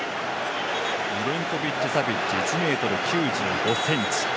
ミリンコビッチ・サビッチ１ｍ９５ｃｍ。